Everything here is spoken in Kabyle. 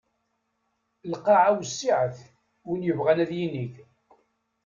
Lqaɛa wessiɛet win yebɣan ad yinig.